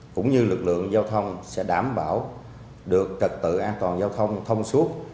cũng như lực lượng giao thông sẽ đảm bảo được trật tự an toàn giao thông thông suốt